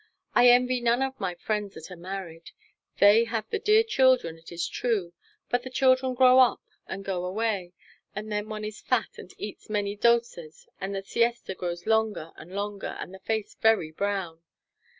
I envy none of my friends that are married. They have the dear children, it is true. But the children grow up and go away, and then one is fat and eats many dulces and the siesta grows longer and longer and the face very brown.